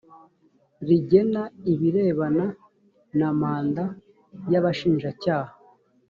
rigena ibirebana na manda y abashinjacyaha